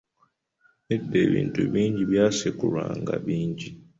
Edda ebintu bingi ebyasekulwanga bingi.